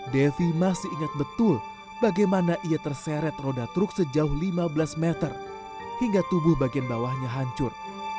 devi masih ingat betul bagaimana ia terseret roda truk sejauh lima belas meter hingga tubuh bagian bawahnya hancur